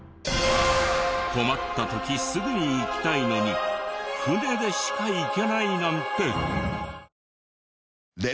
困った時すぐに行きたいのに船でしか行けないなんて！